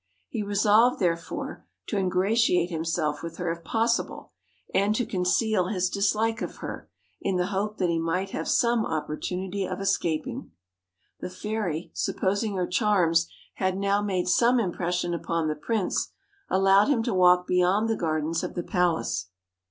He resolved therefore, to ingratiate himself with her if possible, and to conceal his dislike of her, in the hope that he might have some opportunity of escaping. The fairy, supposing her charms had now made some impression upon the prince, allowed him to walk beyond the gardens of the palace.